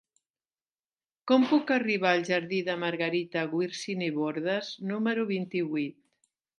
Com puc arribar al jardí de Margarita Wirsing i Bordas número vint-i-vuit?